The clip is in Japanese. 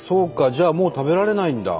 じゃあもう食べられないんだ。